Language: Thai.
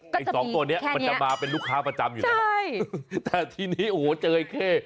ตัวนี้มันจะมาเป็นลูกค้าประจำอยู่แล้วใช่แต่ทีนี้เจอเข้